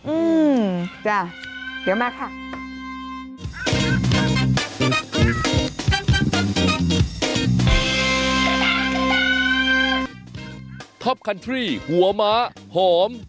อืมจ้ะเดี๋ยวมาค่ะ